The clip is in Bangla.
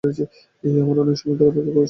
আমরা অনেক সময় ধরে অপেক্ষা করছি।